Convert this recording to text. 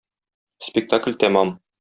Спектакль тәмам.